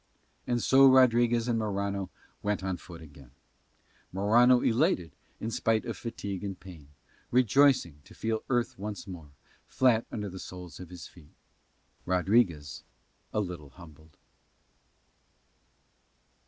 And so Rodriguez and Morano went on foot again, Morano elated in spite of fatigue and pain, rejoicing to feel the earth once more, flat under the soles of his feet; Rodriguez a little humbled.